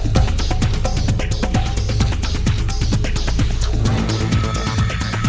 กลัวนี่แบบและตัวล่าก่อนแบบนี้